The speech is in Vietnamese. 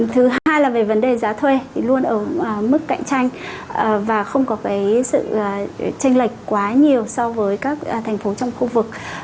thứ hai là về vấn đề giá thuê thì luôn ở mức cạnh tranh và không có sự tranh lệch quá nhiều so với các thành phố trong khu vực